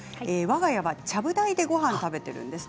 わが家はちゃぶ台でごはんを食べています。